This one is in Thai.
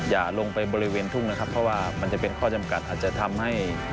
อย่าลงไปบริเวณทุ่งนะครับเพราะว่ามันจะเป็นข้อจำกัดอาจจะทำให้